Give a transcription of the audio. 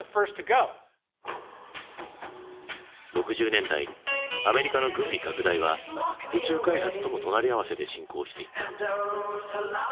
６０年代アメリカの軍備拡大は宇宙開発とも隣り合わせで進行していった。